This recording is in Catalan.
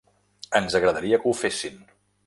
Ens agradaria que ho fessin.